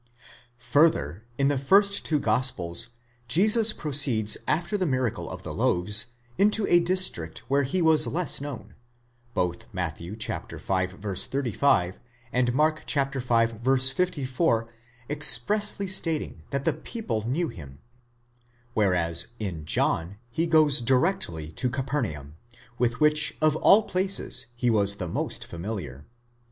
Further, in the first two gospels Jesus proceeds after the miracle of the loaves into a district where he was less known (both Matt. v. 35 and Mark v. 54 expressly stating that the people knew him), whereas in John he goes directly to Capernaum, with which of all places he was the most familiar.